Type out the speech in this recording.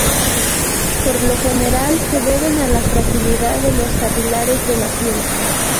Por lo general, se deben a la fragilidad de los capilares de la piel.